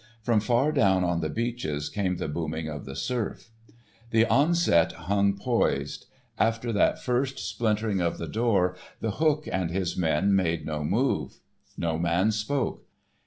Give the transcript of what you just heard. From far down on the beaches came the booming of the surf. The onset hung poised. After that first splintering of the door The Hook and his men made no move. No man spoke.